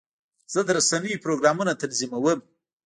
زه د رسنیو پروګرامونه تنظیموم.